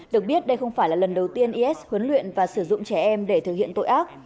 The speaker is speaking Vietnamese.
được biết đây không phải là lần đầu tiên is huấn luyện và sử dụng trẻ em để thực hiện tội ác